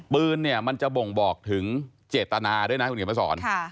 ปืนมันจะบ่งบอกถึงเจตนาด้วยนะทรุ่งนี้คุณพ่อสอนค่ะ